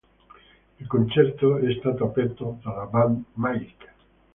Il concerto è stato aperto dalla band Magic!.